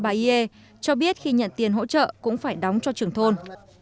bà ye cho biết khi nhận tiền hỗ trợ cũng phải đóng cho trưởng thôn